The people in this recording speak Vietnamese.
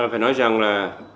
phải nói rằng là